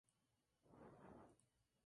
Era, además, un historiador musulmán.